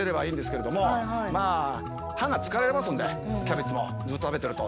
まあ歯が疲れますんでキャベツもずっと食べてると。